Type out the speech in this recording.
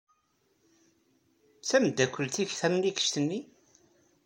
D tameddakelt-ik tamlikect-nni?